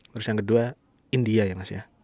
terus yang kedua india ya mas ya